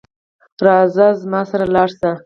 راځه زما سره لاړ شه